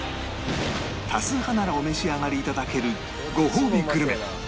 多数派ならお召し上がりいただけるごほうびグルメ